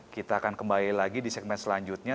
kita akan kembali lagi di segmen selanjutnya